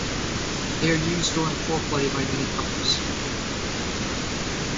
They are used during foreplay by many couples.